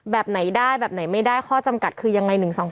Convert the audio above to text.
แบบไหนได้แบบไหนไม่ได้ข้อจำกัดคือยังไง๑๒๒